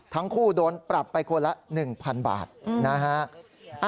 ทั้งคู่โดนปรับไปคนละ๑๐๐๐บาทนะฮะ